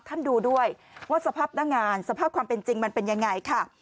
ท่านดูด้วยว่าสภาพหน้างานสภาพความเป็นจริงมันเป็นยังไงค่ะ